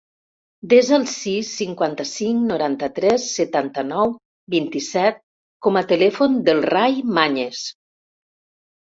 Desa el sis, cinquanta-cinc, noranta-tres, setanta-nou, vint-i-set com a telèfon del Rai Mañes.